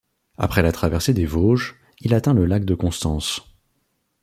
Après la traversée des Vosges, il atteint le lac de Constance.